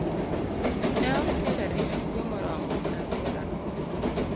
ne oket arita kwe moromo e alworano.